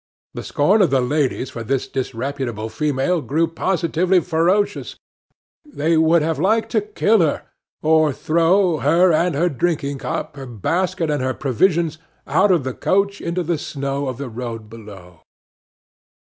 The scorn of the ladies for this disreputable female grew positively ferocious; they would have liked to kill her, or throw, her and her drinking cup, her basket, and her provisions, out of the coach into the snow of the road below.